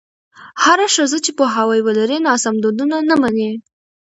هره ښځه چې پوهاوی ولري، ناسم دودونه نه مني.